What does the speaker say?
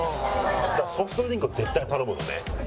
だからソフトドリンクを絶対頼むのね。